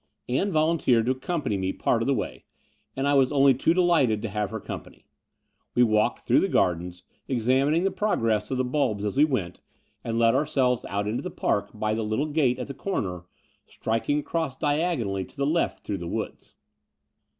Ann volunteered to accompany me part of the way; and I was only too delighted to have her company. We walked through the gardens, ex amining the progress of the bulbs as we went, and The Brighton Road 57 let ourselves out into the park by the little gate at the corner, striking across diagonally to the left through the woods.